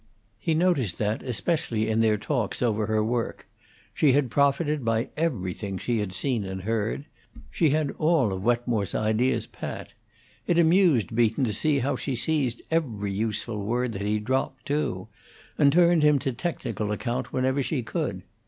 He noticed that especially in their talks over her work; she had profited by everything she had seen and heard; she had all of Wetmore's ideas pat; it amused Beaton to see how she seized every useful word that he dropped, too, and turned him to technical account whenever she could.